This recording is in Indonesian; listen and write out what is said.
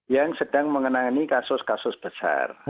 yang sedang mengenangi kasus kasus besar